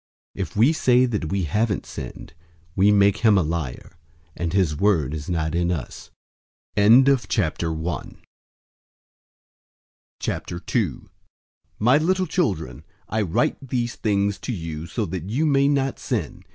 001:010 If we say that we haven't sinned, we make him a liar, and his word is not in us. 002:001 My little children, I write these things to you so that you may not sin.